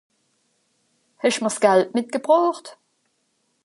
Hesch'm'r s'Gald mitgebrocht?